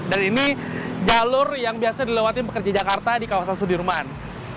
dan ini jalur yang biasa dilewati pekerja jakarta di kawasan sudirman